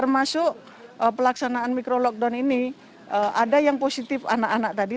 termasuk pelaksanaan micro lockdown ini ada yang positif anak anak tadi